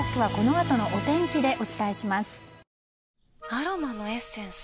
アロマのエッセンス？